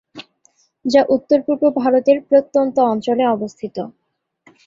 যা উত্তর-পূর্ব ভারতের প্রত্যন্ত অঞ্চলে অবস্থিত।